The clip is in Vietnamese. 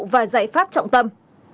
và giải pháp trọng tâm